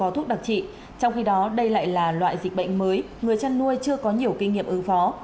trong đó đây lại là loại dịch bệnh mới người chăn nuôi chưa có nhiều kinh nghiệm ưu phó